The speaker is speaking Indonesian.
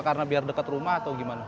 karena biar dekat rumah atau gimana